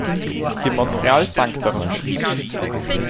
Die "Montreal" sank daraufhin.